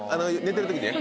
寝てる時ね。